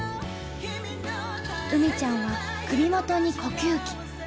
うみちゃんは首元に呼吸器。